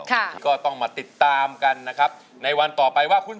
ร้องได้ให้ร้าน